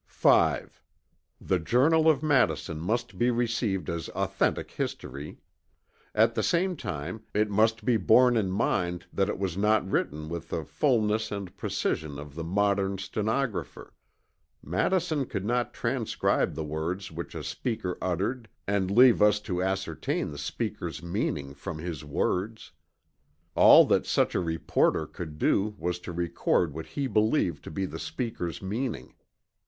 5. The Journal of Madison must be received as authentic history. At the same time it must be borne in mind that it was not written with the fulness and precision of the modern stenographer. Madison could not transcribe the words which a speaker uttered and leave us to ascertain the speaker's meaning from his words. All that such a reporter could do was to record what he believed to be the speaker's meaning.